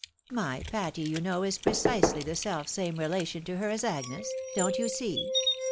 My Patty, you know, is precisely the self same relation to her as Agnes. Don't you see